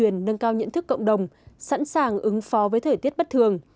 nhận thức cộng đồng sẵn sàng ứng phó với thời tiết bất thường